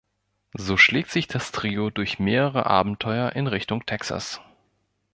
So schlägt sich das Trio durch mehrere Abenteuer in Richtung Texas.